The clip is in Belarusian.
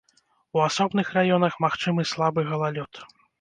У асобных раёнах магчымы слабы галалёд.